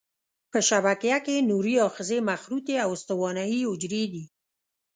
په شبکیه کې نوري آخذې مخروطي او استوانه یي حجرې دي.